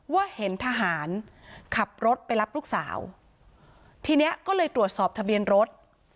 ว่าเห็นทหารขับรถไปรับลูกสาวทีเนี้ยก็เลยตรวจสอบทะเบียนรถ